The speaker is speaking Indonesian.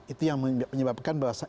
itu yang menyebabkan bahwa